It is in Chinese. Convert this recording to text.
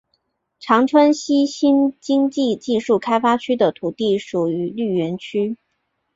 长春西新经济技术开发区的土地属于绿园区。